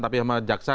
tapi sama jaksa